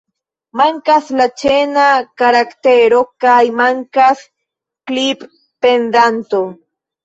Mankas la ĉena karaktero kaj mankas "klip-pendanto".